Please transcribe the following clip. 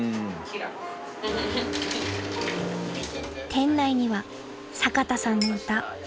［店内には坂田さんの歌］